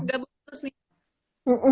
gak boleh terus nih